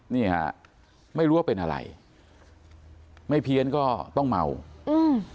นี่ฮะไม่รู้ว่าเป็นอะไรไม่เพี้ยนก็ต้องเมาอืม